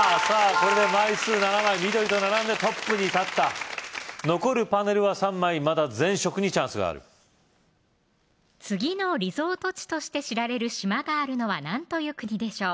これで枚数７枚緑と並んでトップに立った残るパネルは３枚まだ全色にチャンスがある次のリゾート地として知られる島があるのは何という国でしょう